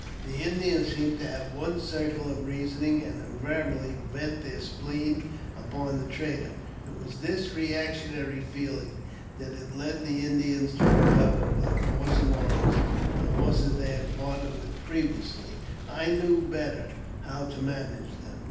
The Indians seem to have one circle of reasoning, and invariably vent their spleen upon the trader. It was this reactionary feeling that had led the Indians to recover, by force of arms, the horses they had parted with, previously. I knew better how to manage them.